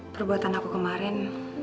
perbuatan aku kemarin